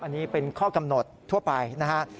อันนี้เป็นข้อกำหนดทั่วไปนะฮะ